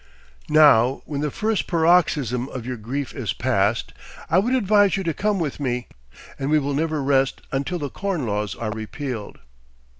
Now when the first paroxysm of your grief is past, I would advise you to come with me, and we will never rest until the Corn Laws are repealed."